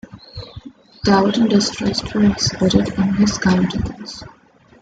Doubt and distrust were exhibited in his countenance.